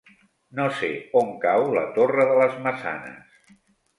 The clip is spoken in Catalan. No sé on cau la Torre de les Maçanes.